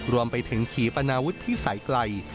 รวมไปถึงขี่ปนาวุธที่สายไกล